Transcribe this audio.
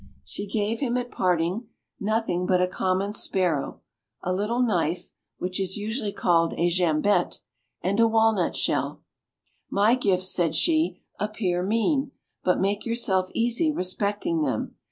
She gave him, at parting, nothing but a common sparrow, a little knife, which is usually called a jambette, and a walnut shell. "My gifts," said she, "appear mean; but make yourself easy respecting them.